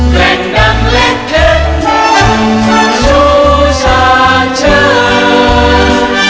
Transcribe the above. แกร่งดังเล่นเพลินชู้ช่างเชิง